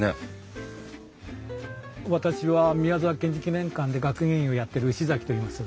私は宮沢賢治記念館で学芸員をやってる牛崎といいます。